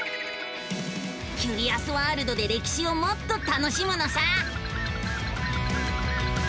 キュリアスワールドで歴史をもっと楽しむのさ！